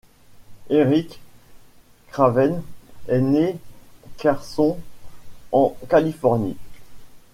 Errick Craven est né Carson en Californie.